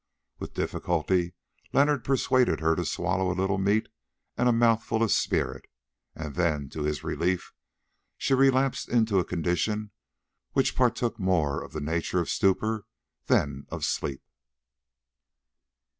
With difficulty Leonard persuaded her to swallow a little meat and a mouthful of spirit, and then, to his relief, she relapsed into a condition which partook more of the nature of stupor than of sleep.